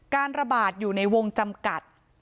การระบาดอยู่ในวงจำกัด